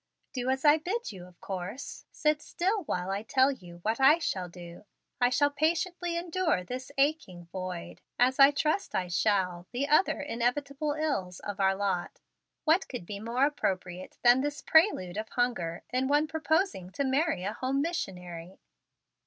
"Do as I bid you, of course; sit still while I tell you what I shall do. I shall patiently endure this aching void, as I trust I shall the other inevitable ills of our lot. What could be more appropriate than this prelude of hunger in one proposing to marry a home missionary?"